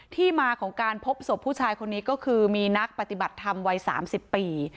ที่มาของการพบศพผู้ชายคนนี้ก็คือมีนักปฏิบัติธรรมวัย๓๐ปี